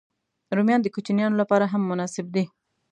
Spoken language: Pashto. رومیان د کوچنيانو لپاره هم مناسب دي